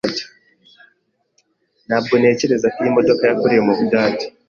Ntabwo ntekereza ko iyi modoka yakorewe mu Budage.